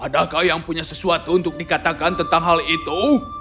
adakah yang punya sesuatu untuk dikatakan tentang hal itu